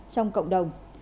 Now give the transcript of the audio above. trong cộng đồng